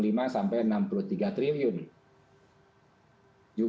juga mendorong terciptanya industri yang semakin hijau